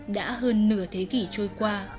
đã hơn nửa thế kỷ trôi qua